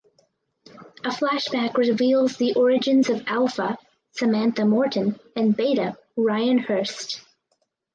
A flashback reveals the origins of Alpha (Samantha Morton) and Beta (Ryan Hurst).